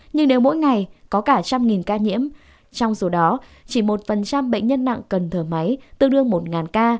nhưng nếu mỗi ngày có cả trăm nghìn ca nhiễm trong số đó chỉ một bệnh nhân nặng cần thở máy tương đương một ca